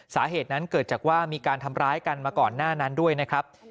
สาเหตุนั้นเกิดจากว่ามีการทำร้ายกันมาก่อนหน้านั้นด้วยนะครับ